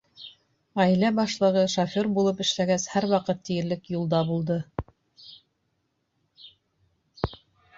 Ғаилә башлығы, шофер булып эшләгәс, һәр ваҡыт тиерлек юлда булды.